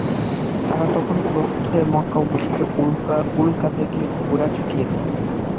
তারা তখনই প্রস্তুত হয়ে মক্কা অভিমুখে উল্কা বেগে ঘোড়া ছুটিয়ে দেন।